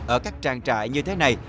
ở các trang trại như thế này